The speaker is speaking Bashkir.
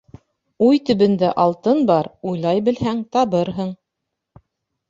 Уй төбөндә алтын бар, уйлай белһәң, табырһың.